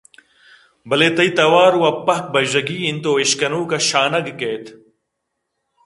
بلے تئی توار وَ پہک بژّگی اِنت ءُ اِشکنوک ءَ شانگ کئیت